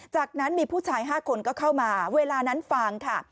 จากนั้นมีผู้ชาย๕คนก็เข้ามาเวลานั้นฟังค่ะ